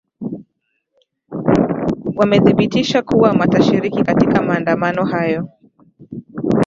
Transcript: wamethibitisha kuwa watashiriki katika maandamano hayo